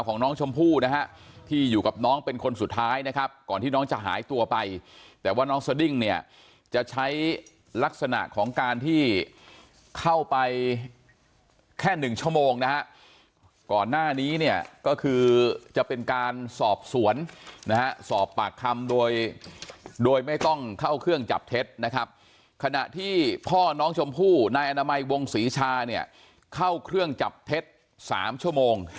น้องชมพู่นายอนามัยวงศรีชาเนี่ยเข้าเครื่องจับเท็จ๓ชั่วโมง